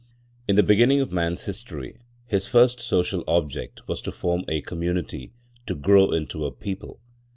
In the beginning of man's history his first social object was to form a community, to grow into a people.